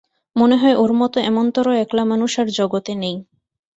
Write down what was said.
মনে হয় ওর মতো এমনতরো একলা মানুষ আর জগতে নেই।